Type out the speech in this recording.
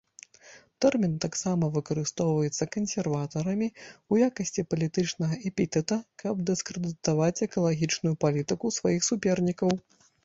Тэрмін таксама выкарыстоўваецца кансерватарамі ў якасці палітычнага эпітэта, каб дыскрэдытаваць экалагічную палітыку сваіх супернікаў.